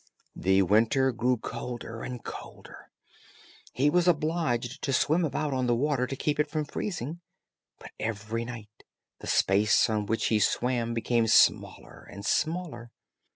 The winter grew colder and colder; he was obliged to swim about on the water to keep it from freezing, but every night the space on which he swam became smaller and smaller.